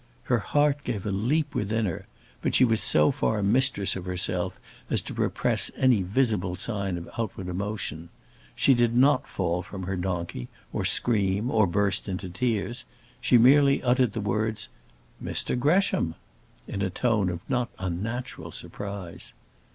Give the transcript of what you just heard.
Her heart gave a leap within her, but she was so far mistress of herself as to repress any visible sign of outward emotion. She did not fall from her donkey, or scream, or burst into tears. She merely uttered the words, "Mr Gresham!" in a tone of not unnatural surprise.